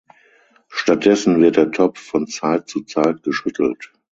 Stattdessen wird der Topf von Zeit zu Zeit geschüttelt.